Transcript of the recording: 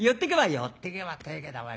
「寄ってけばって言うけどおめえ